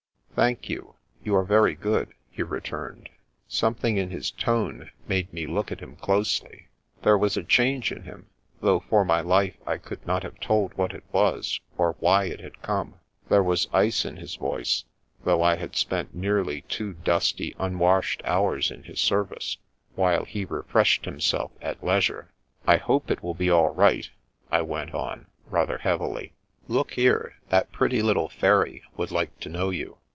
" Thank you. You are very good," he returned. Something in his tone made me look at him closely. There was a change in him, though for my life I could not have told what it was or why it had come; there was ice in his voice, though I had spent nearly two dusty, unwashed hours in his service, while he refreshed himself at leisure. " I hope it will be all right," I went on, rather heavily. " Look here, that pretty little fairy would like to know you.